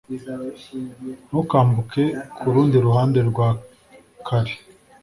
ntukambuke kurundi ruhande rwa kare